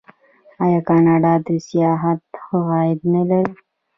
آیا کاناډا د سیاحت ښه عاید نلري؟